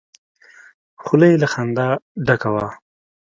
خوله يې له خندا ډکه وه.